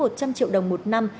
một trăm linh triệu đồng một năm